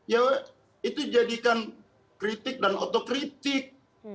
ya itu jadikan kritik dan otokritik